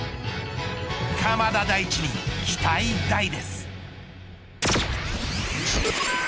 鎌田大地に期待大です。